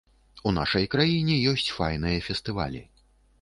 У нашай краіне ёсць файныя фестывалі!